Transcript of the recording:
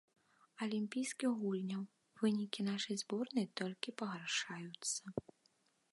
Алімпійскіх гульняў, вынікі нашай зборнай толькі пагаршаюцца.